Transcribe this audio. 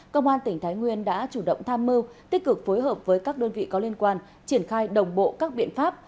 công an tỉnh thái nguyên đã chủ động tham mưu tích cực phối hợp với các đơn vị có liên quan triển khai đồng bộ các biện pháp